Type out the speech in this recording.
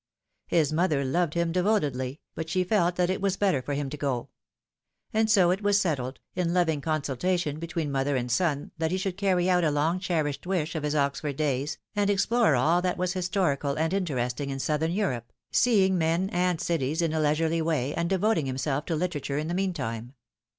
His mother loved him devotedly, but she felt In the Morning of Life. 261 that it was better for him to go ; and so it was settled, in loving consultation between mother and son, that he should carry out a long cherished wish of his Oxford days, and explore all that was historical and interesting in Southern Europe, seeing men and cities in a leisurely way, and devoting himself to literature in the meantime.